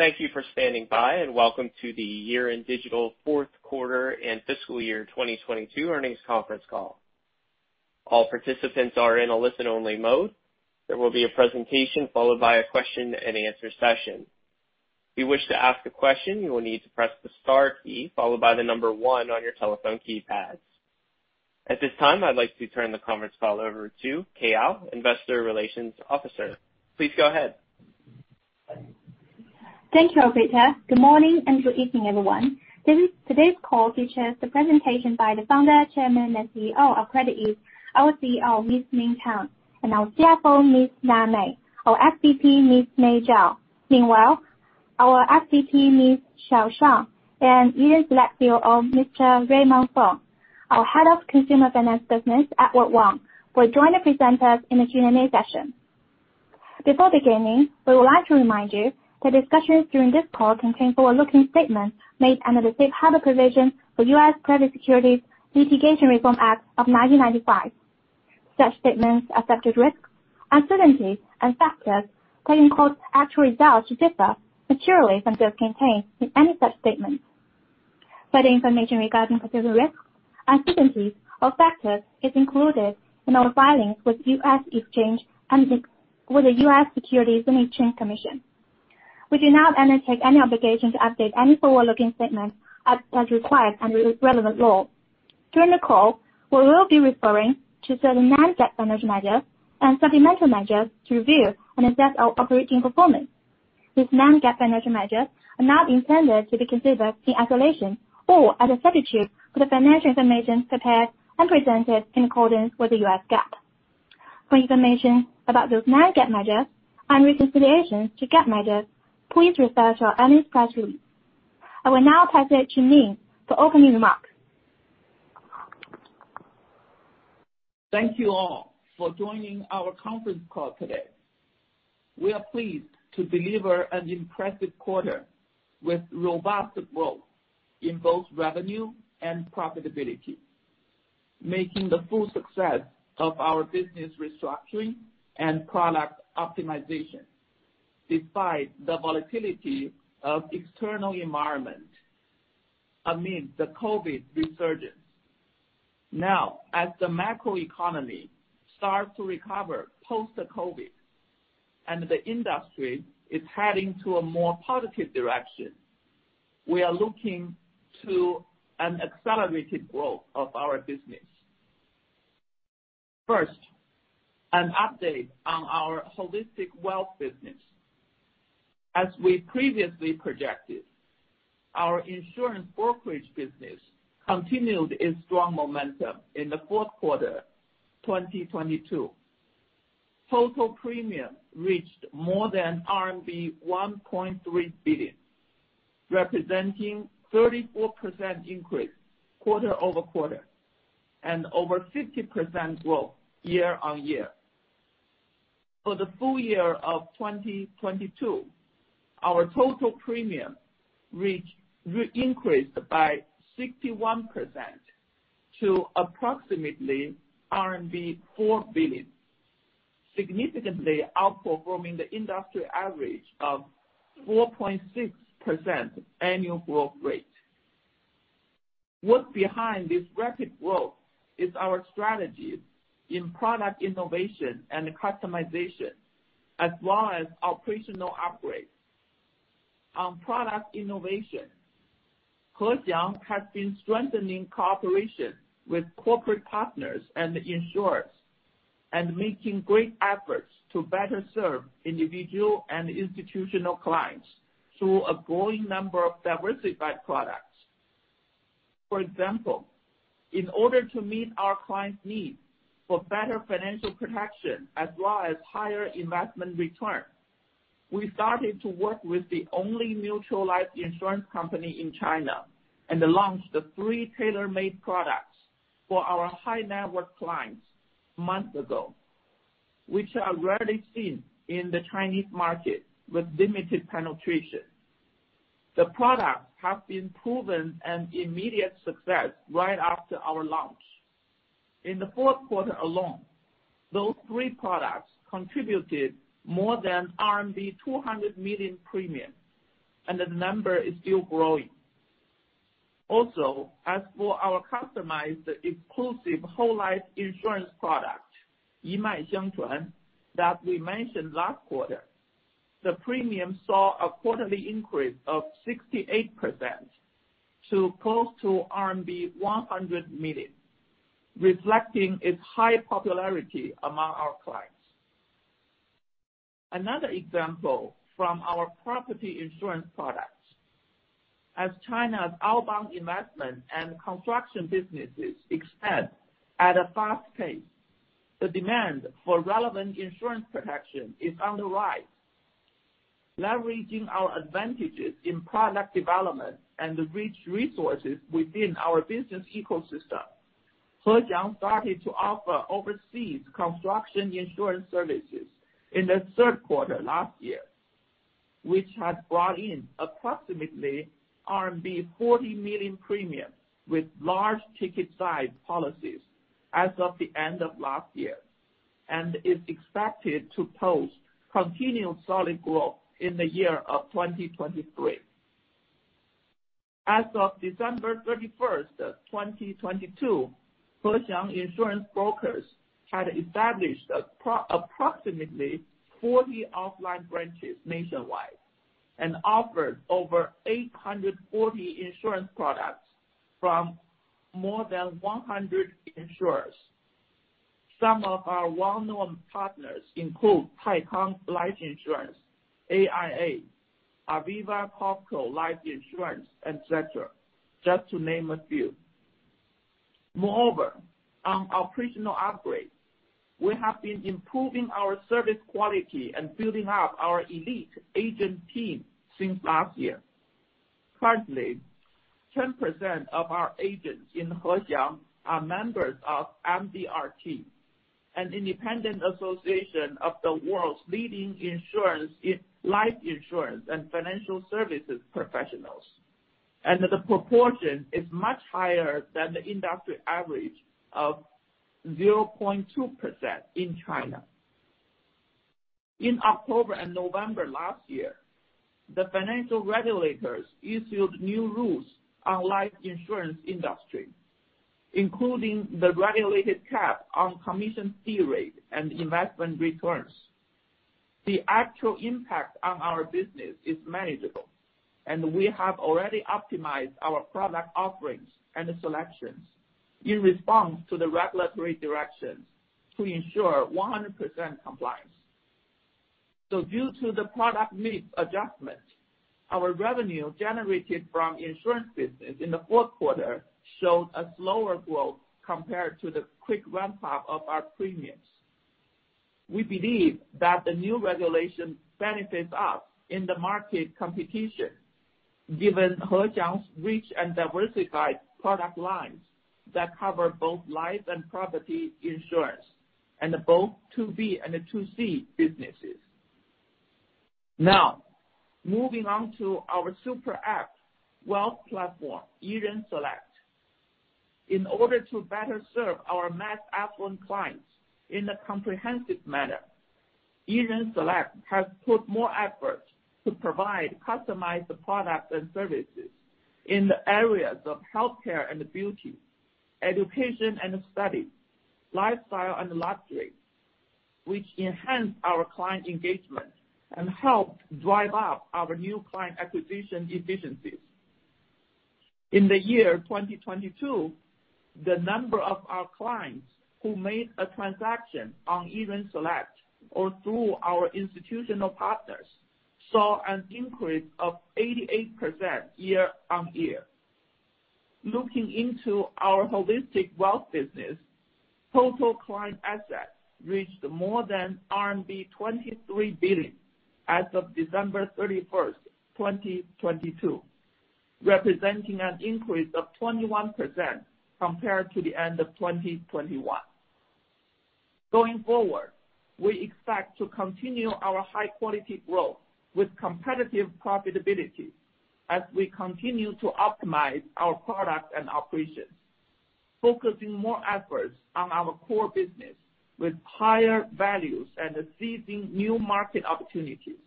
Thank you for standing by. Welcome to the Yiren Digital Fourth Quarter and Fiscal Year 2022 Earnings Conference Call. All participants are in a listen only mode. There will be a presentation followed by a question and answer session. If you wish to ask a question, you will need to press the star key followed by the number one on your telephone keypads. At this time, I'd like to turn the conference call over to Keyao He, Investor Relations Officer. Please go ahead. Thank you, operator. Good morning and good evening, everyone. Today's call features the presentation by the Founder, Chairman, and CEO of CreditEase, our CEO, Ning Tang, and our CFO, Na Mei, our SVP, Mei Zhao. Our SVP, Xiao Shang, and Yiren Select CEO, Raymond Fang, our Head of Consumer Finance Business, Edward Wang will join the presenters in the Q&A session. Before beginning, we would like to remind you that discussions during this call contain forward-looking statements made under the Safe Harbor provisions for Private Securities Litigation Reform Act of 1995. Such statements accepted risks, uncertainties, and factors that can cause actual results to differ materially from those contained in any such statements. Such information regarding particular risks, uncertainties, or factors is included in our filings with U.S. Exchange and with the U.S. Securities and Exchange Commission. We do not undertake any obligation to update any forward-looking statements as required under the relevant law. During the call, we will be referring to certain non-GAAP financial measures and supplemental measures to review and assess our operating performance. These non-GAAP financial measures are not intended to be considered in isolation or as a substitute for the financial information prepared and presented in accordance with the U.S. GAAP. For information about those non-GAAP measures and reconciliation to GAAP measures, please refer to our earnings press release. I will now pass it to Ning for opening remarks. Thank you all for joining our conference call today. We are pleased to deliver an impressive quarter with robust growth in both revenue and profitability, making the full success of our business restructuring and product optimization despite the volatility of external environment amid the COVID resurgence. As the macro economy starts to recover post the COVID and the industry is heading to a more positive direction, we are looking to an accelerated growth of our business. First, an update on our holistic wealth business. As we previously projected, our insurance brokerage business continued its strong momentum in the fourth quarter 2022. Total premium reached more than RMB 1.3 billion, representing 34% increase quarter-over-quarter and over 50% growth year-on-year. For the full year of 2022, our total premium increased by 61% to approximately RMB 4 billion, significantly outperforming the industry average of 4.6% annual growth rate. What's behind this rapid growth is our strategies in product innovation and customization, as well as operational upgrades. On product innovation, Hexiang has been strengthening cooperation with corporate partners and insurers and making great efforts to better serve individual and institutional clients through a growing number of diversified products. For example, in order to meet our clients' needs for better financial protection as well as higher investment return, we started to work with the only mutual life insurance company in China and launched the three tailor-made products for our high-net-worth clients months ago, which are rarely seen in the Chinese market with limited penetration. The products have been proven an immediate success right after our launch. In the fourth quarter alone, those three products contributed more than RMB 200 million premium, the number is still growing. As for our customized exclusive whole life insurance product, that we mentioned last quarter, the premium saw a quarterly increase of 68% to close to RMB 100 million, reflecting its high popularity among our clients. Another example from our property insurance products. As China's outbound investment and construction businesses expand at a fast pace, the demand for relevant insurance protection is on the rise. Leveraging our advantages in product development and the rich resources within our business ecosystem, Hexiang started to offer overseas construction insurance services in the third quarter last year, which has brought in approximately RMB 40 million premium with large ticket size policies as of the end of last year. Is expected to post continued solid growth in the year of 2023. As of December 31st, 2022, Hexiang Insurance Brokers had established approximately 40 offline branches nationwide and offered over 840 insurance products from more than 100 insurers. Some of our well-known partners include Taikang Life Insurance, AIA, Aviva-Cofco Life Insurance, et cetera, just to name a few. Moreover, on operational upgrade, we have been improving our service quality and building up our elite agent team since last year. Currently, 10% of our agents in Hexiang are members of MDRT, an independent association of the world's leading insurance, life insurance and financial services professionals. The proportion is much higher than the industry average of 0.2% in China. In October and November last year, the financial regulators issued new rules on life insurance industry, including the regulated cap on commission fee rate and investment returns. The actual impact on our business is manageable, and we have already optimized our product offerings and selections in response to the regulatory directions to ensure 100% compliance. Due to the product mix adjustment, our revenue generated from insurance business in the fourth quarter showed a slower growth compared to the quick ramp up of our premiums. We believe that the new regulation benefits us in the market competition given Hexiang's rich and diversified product lines that cover both life and property insurance and both 2V and 2C businesses. Now, moving on to our super app wealth platform, Yiren Select. In order to better serve our mass affluent clients in a comprehensive manner, Yiren Select has put more effort to provide customized products and services in the areas of healthcare and beauty, education and study, lifestyle and luxury, which enhance our client engagement and help drive up our new client acquisition efficiencies. In the year 2022, the number of our clients who made a transaction on Yiren Select or through our institutional partners, saw an increase of 88% year-on-year. Looking into our holistic wealth business, total client assets reached more than RMB 23 billion as of December 31st, 2022, representing an increase of 21% compared to the end of 2021. Going forward, we expect to continue our high quality growth with competitive profitability as we continue to optimize our products and operations, focusing more efforts on our core business with higher values and seizing new market opportunities.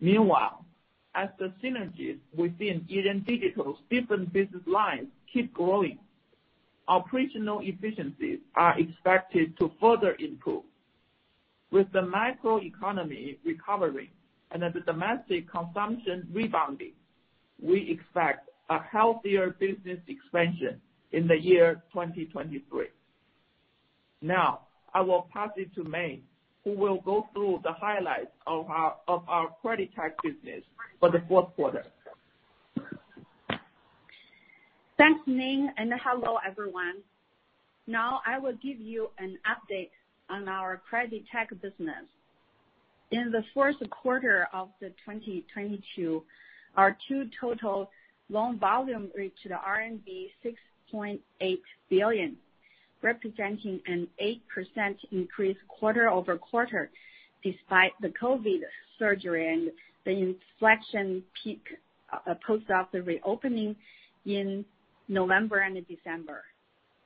Meanwhile, as the synergies within Yiren Digital's different business lines keep growing, operational efficiencies are expected to further improve. With the micro economy recovering and the domestic consumption rebounding, we expect a healthier business expansion in the year 2023. Now, I will pass it to Mei, who will go through the highlights of our Credit-Tech business for the fourth quarter. Thanks, Ning, and hello, everyone. Now I will give you an update on our Credit-Tech business. In the fourth quarter of 2022, our total loan volume reached RMB 6.8 billion, representing an 8% increase quarter-over-quarter despite the COVID surge and the inflection peak, post of the reopening in November and December.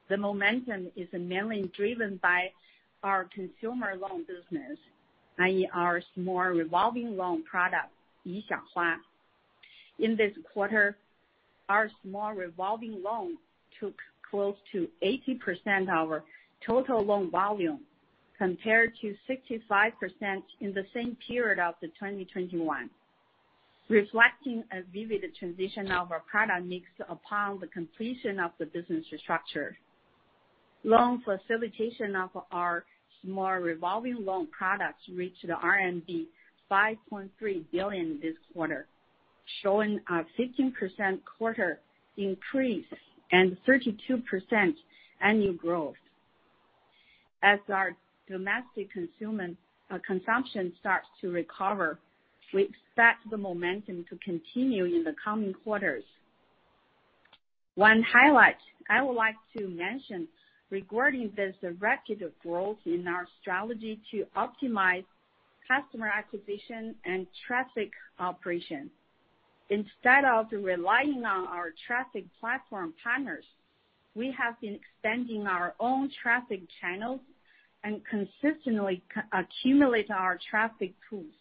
The momentum is mainly driven by our consumer loan business, i.e., our small revolving loan product, Yi Xiang Hua. In this quarter, our small revolving loan took close to 80% of our total loan volume, compared to 65% in the same period of 2021, reflecting a vivid transition of our product mix upon the completion of the business restructure. Loan facilitation of our small revolving loan products reached RMB 5.3 billion this quarter, showing a 15% quarter increase and 32% annual growth. As our domestic consumer consumption starts to recover, we expect the momentum to continue in the coming quarters. One highlight I would like to mention regarding this record of growth in our strategy to optimize customer acquisition and traffic operation. Instead of relying on our traffic platform partners, we have been extending our own traffic channels and consistently accumulate our traffic tools.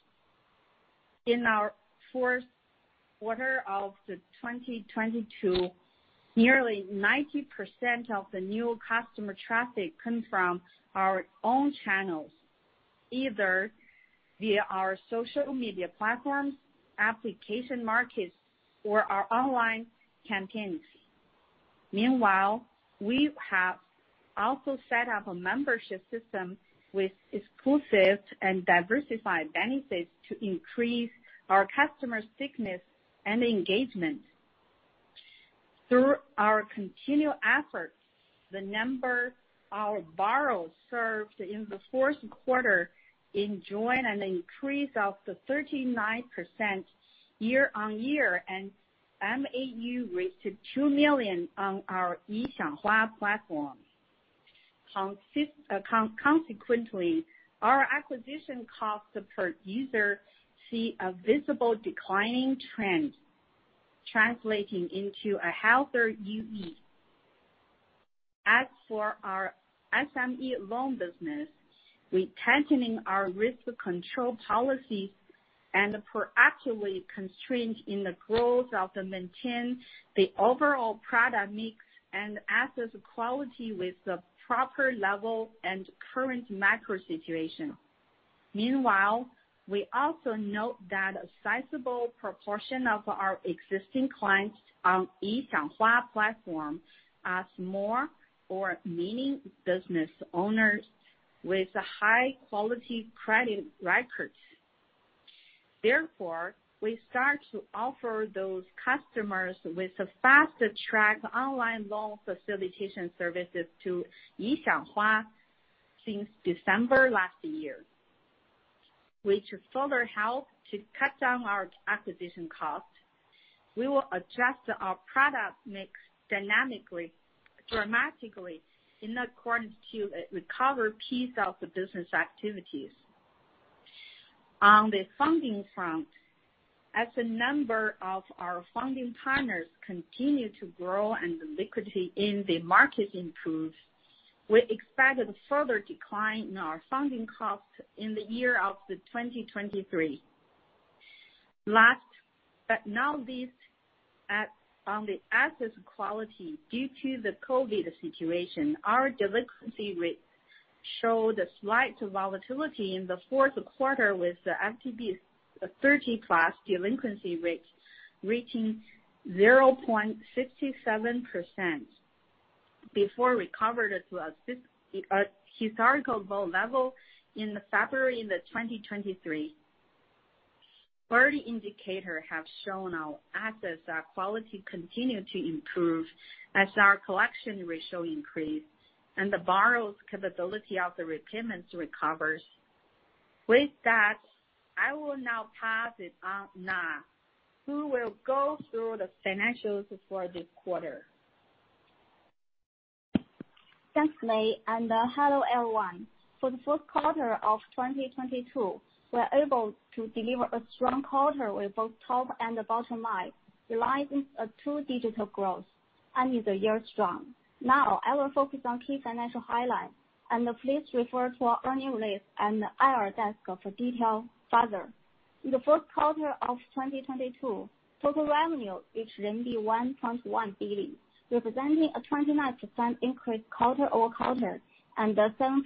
In our fourth quarter of 2022, nearly 90% of the new customer traffic came from our own channels, either via our social media platforms, application markets or our online campaigns. Meanwhile, we have also set up a membership system with exclusive and diversified benefits to increase our customer thickness and engagement. Through our continued efforts, the number our borrowers served in the fourth quarter enjoyed an increase of the 39% year-on-year, and MAU reached 2 million on our Yi Xiang Hua platform. Consequently, our acquisition costs per user see a visible declining trend, translating into a healthier UE. As for our SME loan business, we're tightening our risk control policy and proactively constrained in the growth of the maintain the overall product mix and assets quality with the proper level and current macro situation. Meanwhile, we also note that a sizable proportion of our existing clients on Yi Xiang Hua platform as more or meaning business owners with high quality credit records. Therefore, we start to offer those customers with a fast track online loan facilitation services to Yi Xiang Hua since December last year, which further help to cut down our acquisition cost. We will adjust our product mix dramatically in accordance to recover piece of the business activities. On the funding front, as the number of our funding partners continue to grow and the liquidity in the market improves, we expected further decline in our funding cost in the year of 2023. Last but not least, on the assets quality, due to the COVID situation, our delinquency rates show the slight volatility in the fourth quarter with the MTB 30+ delinquency rates reaching 0.67% before recovered to a historical low level in February in 2023. Early indicator have shown our quality continued to improve as our collection ratio increased and the borrower's capability of the repayments recovers. With that, I will now pass it on Na, who will go through the financials for this quarter. Thanks, Mei, and hello, everyone. For the fourth quarter of 2022, we're able to deliver a strong quarter with both top and the bottom line, realizing a two-digit growth ending the year strong. Now, I will focus on key financial highlights, and please refer to our earnings release and IR deck for detail further. In the fourth quarter of 2022, total revenue reached 1.1 billion, representing a 29% increase quarter-over-quarter and a 7%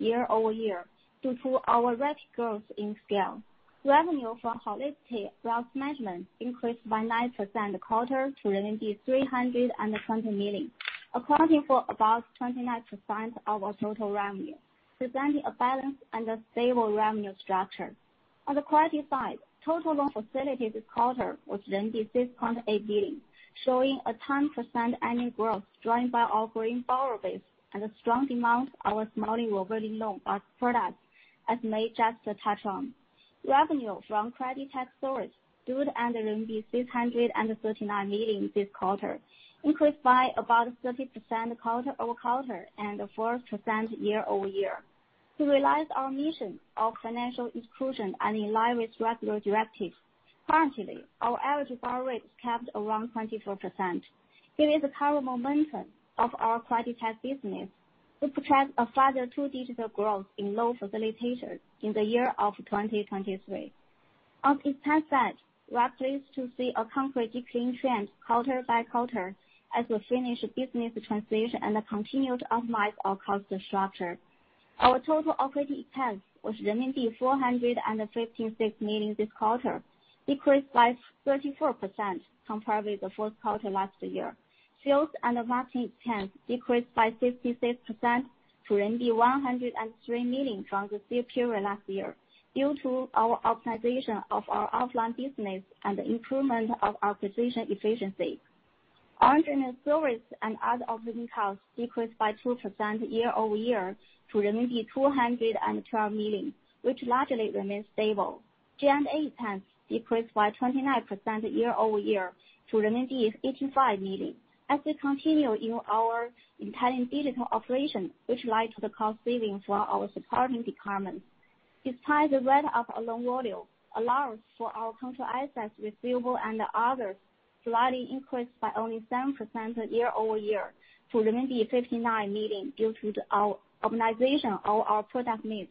year-over-year due to our rapid growth in scale. Revenue from holistic wealth management increased by 9% quarter to RMB 320 million, accounting for about 29% of our total revenue, presenting a balance and a stable revenue structure. On the credit side, total loan facilities this quarter was 6.8 billion, showing a 10% annual growth, driven by our growing borrower base and the strong demand our small and revolving loan are products as Mei just touched on. Revenue from Credit-Tech source stood at RMB 639 million this quarter, increased by about 30% quarter-over-quarter and 4% year-over-year. To realize our mission of financial inclusion and in line with regulatory directives, currently, our average borrower rate capped around 24%. Given the current momentum of our Credit-Tech business, we project a further two digital growth in loan facilitators in the year of 2023. On expense side, we are pleased to see a concrete decline trend quarter by quarter as we finish business transition and continue to optimize our cost structure. Our total operating expense was renminbi 456 million this quarter, decreased by 34% compared with the fourth quarter last year. Sales and marketing expense decreased by 56% to 103 million from the same period last year due to our optimization of our offline business and the improvement of our position efficiency. Under net service and other operating costs decreased by 2% year-over-year to 212 million, which largely remains stable. G&A expense decreased by 29% year-over-year to 85 million as we continue in our entire digital operation, which led to the cost savings for our supporting departments. Despite the rate of loan volume, allowance for our contract assets receivable and others slightly increased by only 7% year-over-year to 59 million due to our optimization of our product mix.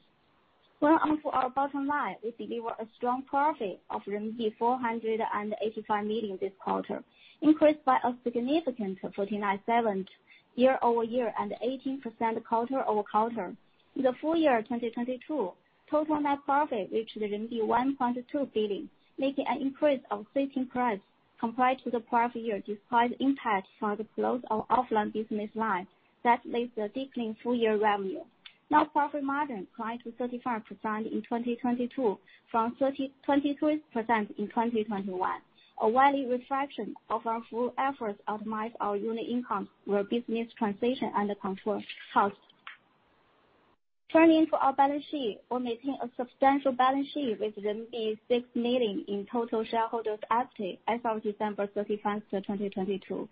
Going on to our bottom line, we deliver a strong profit of RMB 485 million this quarter, increased by a significant 49.7% year-over-year and 18% quarter-over-quarter. In the full year of 2022, total net profit reached RMB 1.2 billion, making an increase of 15% compared to the prior year despite the impact from the close of offline business line that leads the decline in full year revenue. Net profit margin climbed to 35% in 2022 from 23% in 2021. A wide reflection of our full efforts optimize our unit income where business transition under control. Turning to our balance sheet, we maintain a substantial balance sheet with RMB 6 million in total shareholders equity as of December 31st, 2022.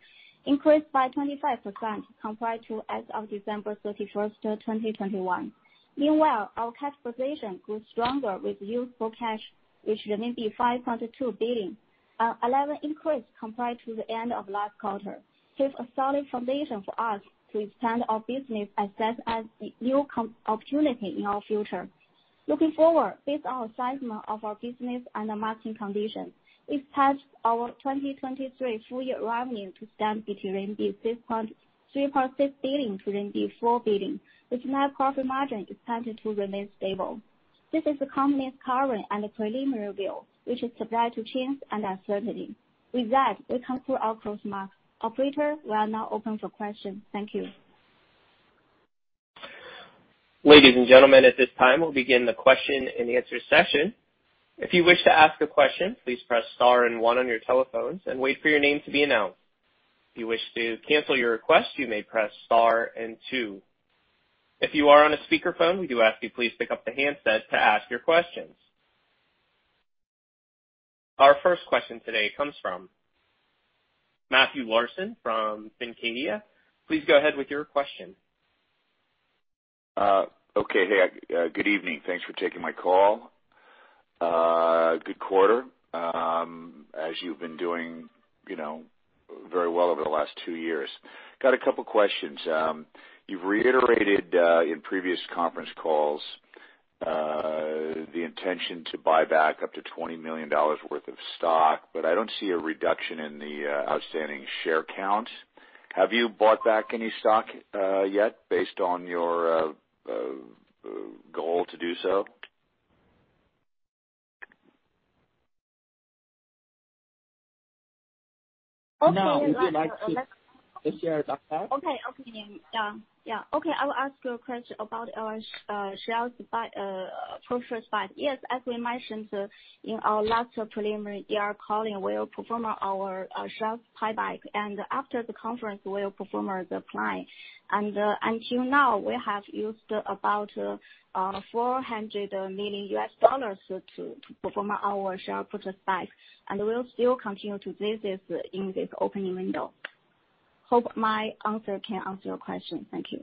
Increased by 25% compared to as of December 31st, 2021. Meanwhile, our cash position grew stronger with useful cash, with 5.2 billion, an 11% increase compared to the end of last quarter, gives a solid foundation for us to expand our business as well as the new opportunity in our future. Looking forward, based on our assessment of our business and the market condition, we've passed our 2023 full year revenue to stand between 3.6 billion-4 billion, with net profit margin expected to remain stable. This is the company's current and preliminary view, which is subject to change and uncertainty. With that, we conclude our close mark. Operator, we are now open for question. Thank you. Ladies and gentlemen, at this time, we'll begin the question-and-answer session. If you wish to ask a question, please press star and one on your telephones and wait for your name to be announced. If you wish to cancel your request, you may press star and two. If you are on a speakerphone, we do ask you please pick up the handset to ask your questions. Our first question today comes from Matthew Larson from Fincadia. Please go ahead with your question. Okay. Hey, good evening. Thanks for taking my call. Good quarter. As you've been doing, you know, very well over the last two years. Got a couple of questions. You've reiterated in previous conference calls, the intention to buy back up to $20 million worth of stock. I don't see a reduction in the outstanding share count. Have you bought back any stock yet based on your goal to do so? Okay. Would you like to share it back? Okay. Okay. Yeah. Yeah. Okay, I will ask you a question about our sales purchase buy. Yes, as we mentioned in our last preliminary year calling, we'll perform our sales buy-back, and after the conference, we'll perform as a client. Until now, we have used about $400 million to perform our share purchase buy. We'll still continue to do this in this opening window. Hope my answer can answer your question. Thank you.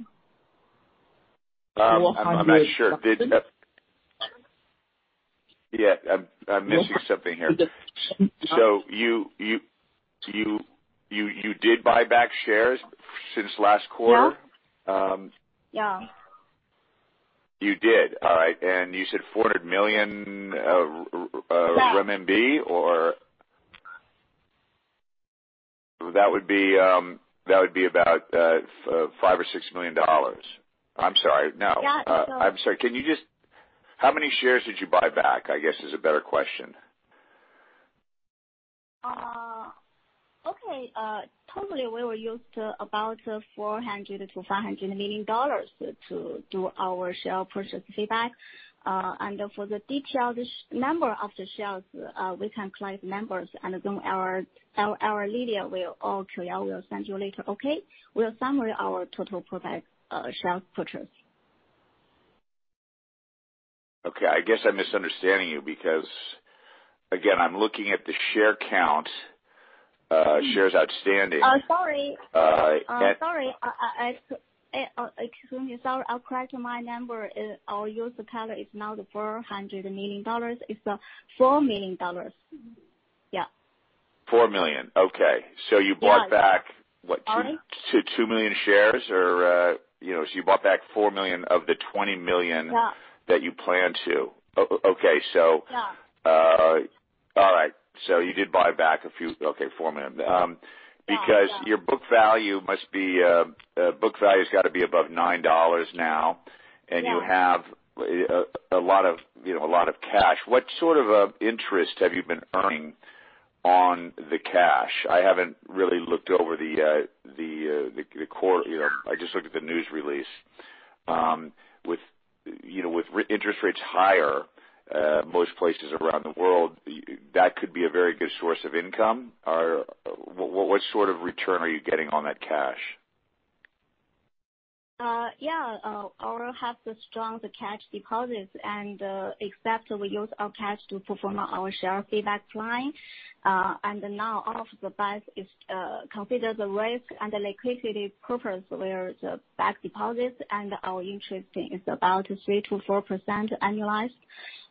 I'm not sure. Yeah, I'm missing something here. You did buy back shares since last quarter? Yeah. You did. All right. You said 400 million RMB or? That would be about $5 million or $6 million. I'm sorry. No. Yeah. I'm sorry. Can you how many shares did you buy back, I guess is a better question? Okay. Totally, we will use about $400 million-$500 million to do our share purchase buyback. For the detailed number of the shares, we can collect numbers, and then our Lydia will or Qing Ya will send you later. Okay? We'll summary our total product share purchase. Okay, I guess I'm misunderstanding you because, again, I'm looking at the share count, shares outstanding. Sorry. Uh, at- I'm sorry. I, excuse me. Sorry. I'll correct my number. Our user count is not $400 million. It's $4 million. Yeah. $4 million. Okay. You bought back, what? Yeah. Sorry. 2 million shares or, you know, you bought back 4 million of the 20 million. Yeah. that you plan to. Okay. Yeah. All right. You did buy back a few. Okay. $4 million. Yeah. Yeah. Because your book value must be, book value has got to be above $9 now. Yeah. You have, a lot of, you know, a lot of cash. What sort of interest have you been earning on the cash? I haven't really looked over the quarter. You know, I just looked at the news release. With, you know, interest rates higher, most places around the world, that could be a very good source of income. What sort of return are you getting on that cash? Yeah. Our have the strong the cash deposits and except we use our cash to perform our share feedback line. Now all of the banks is consider the risk and the liquidity purpose where the bank deposits and our interest is about 3%-4% annualized.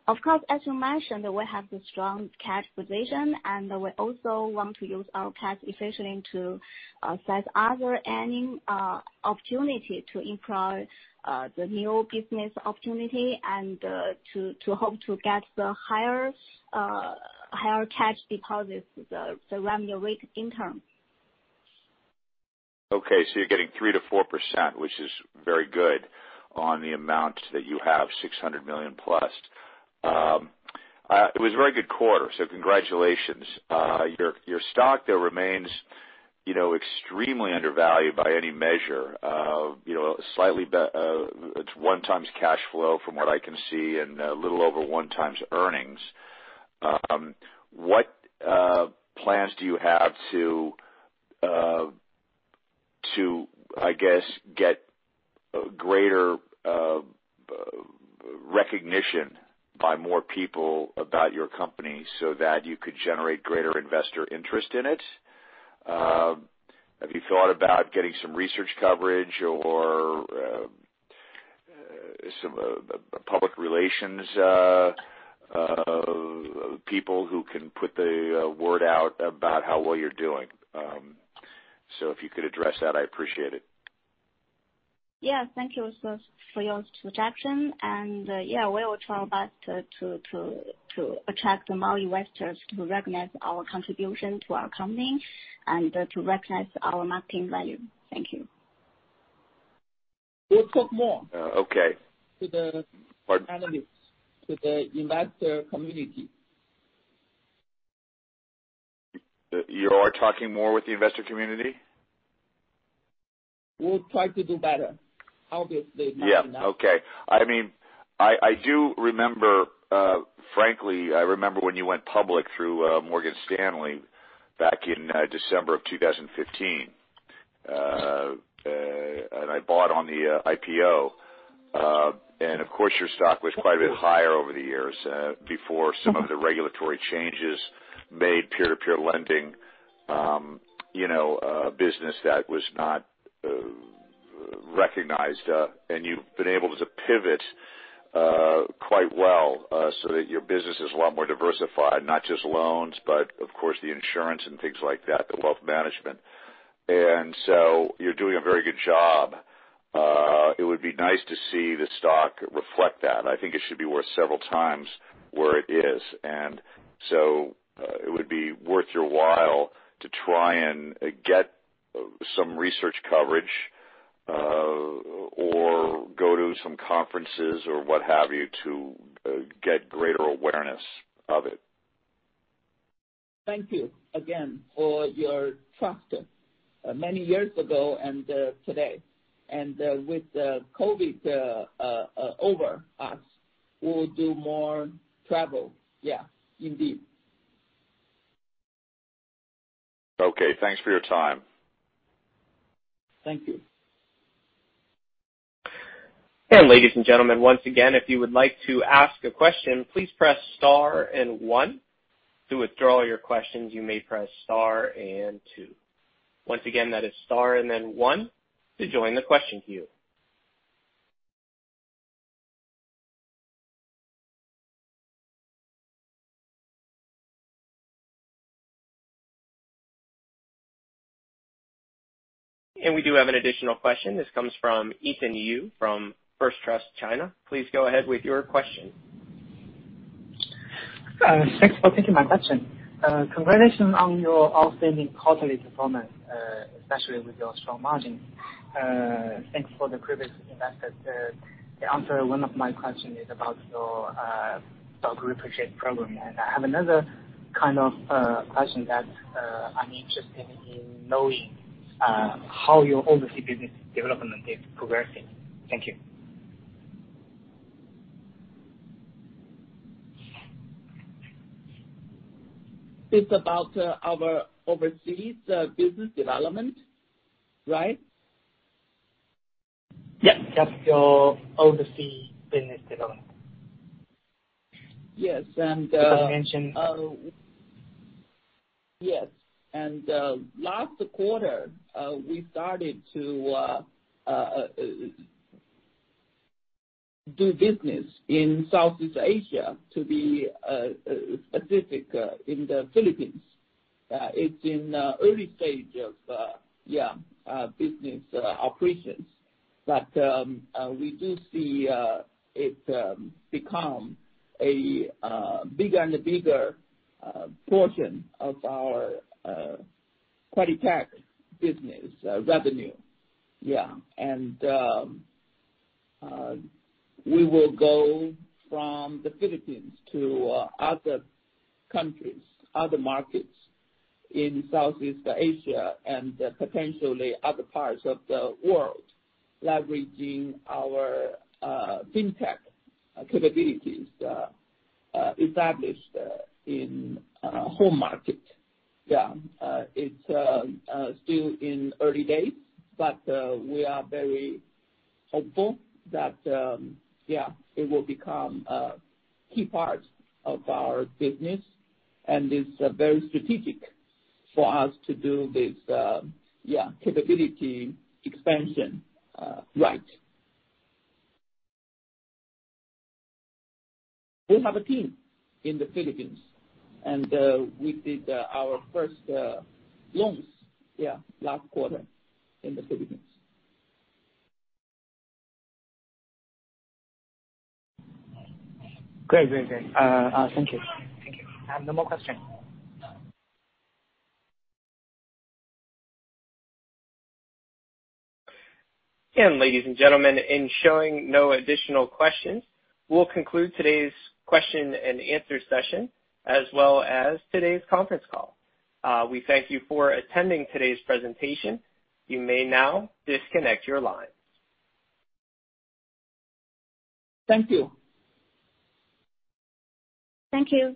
Of course, as you mentioned, we have the strong cash position, and we also want to use our cash efficiently to set other any opportunity to improve the new business opportunity and to hope to get the higher cash deposits, the annual rate in term. You're getting 3%-4%, which is very good on the amount that you have, $600 million+. It was a very good quarter. Congratulations. Your stock though remains, you know, extremely undervalued by any measure. You know, it's 1x cash flow from what I can see, and a little over 1x earnings. What plans do you have to, I guess, get a greater recognition by more people about your company so that you could generate greater investor interest in it? Have you thought about getting some research coverage or some public relations people who can put the word out about how well you're doing? If you could address that, I appreciate it. Yeah, thank you for your suggestion. Yeah, we will try our best to attract more investors to recognize our contribution to our company and to recognize our market value. Thank you. We'll talk. Okay. to the Pardon? analysts, to the investor community. You are talking more with the investor community? We'll try to do better. Obviously, not enough. Yeah. Okay. I mean, I do remember, frankly, I remember when you went public through Morgan Stanley back in December of 2015. I bought on the IPO. Of course, your stock was quite a bit higher over the years, before some of the regulatory changes made peer-to-peer lending, you know, a business that was not recognized. You've been able to pivot quite well, so that your business is a lot more diversified, not just loans, but of course, the insurance and things like that, the wealth management. You're doing a very good job. It would be nice to see the stock reflect that. I think it should be worth several times where it is. It would be worth your while to try and get some research coverage, or go to some conferences or what have you, to get greater awareness of it. Thank you again for your trust, many years ago and today. With COVID over us, we'll do more travel. Yeah, indeed. Okay. Thanks for your time. Thank you. Ladies and gentlemen, once again, if you would like to ask a question, please press star and one. To withdraw your questions, you may press star and two. Once again, that is star and then one to join the question queue. We do have an additional question. This comes from Ethan Yu from First Trust China. Please go ahead with your question. Thanks for taking my question. Congratulations on your outstanding quarterly performance, especially with your strong margin. Thanks for the previous investor to answer one of my question is about your stock repurchase program. I have another kind of question that I'm interested in knowing how your overseas business development is progressing. Thank you. It's about, our overseas, business development, right? Yeah. Just your overseas business development. Yes. You mentioned- Yes. Last quarter, we started to do business in Southeast Asia, to be specific, in the Philippines. It's in the early stage of, yeah, business operations. We do see it become a bigger and bigger portion of our Credit-Tech business revenue. Yeah. We will go from the Philippines to other countries, other markets in Southeast Asia and potentially other parts of the world, leveraging our Fintech capabilities established in home market. Yeah. It's still in early days, but we are very hopeful that, yeah, it will become a key part of our business. It's very strategic for us to do this, yeah, capability expansion, right. We have a team in the Philippines, and we did our first loans, yeah, last quarter in the Philippines. Great. Great, great. Thank you. I have no more question. Ladies and gentlemen, in showing no additional questions, we'll conclude today's question and answer session, as well as today's conference call. We thank you for attending today's presentation. You may now disconnect your lines. Thank you. Thank you.